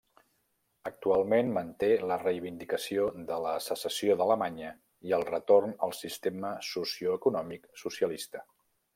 Actualment manté la reivindicació de la secessió d'Alemanya i el retorn al sistema socioeconòmic socialista.